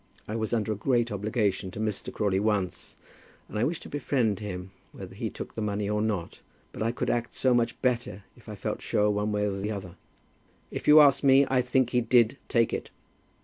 I was under a great obligation to Mr. Crawley once, and I wish to befriend him, whether he took the money or not. But I could act so much better if I felt sure one way or the other." "If you ask me, I think he did take it."